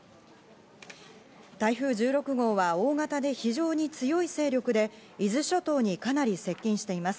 台風１６号は大型で非常に強い勢力で伊豆諸島にかなり接近しています。